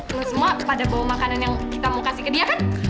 belum semua pada bawa makanan yang kita mau kasih ke dia kan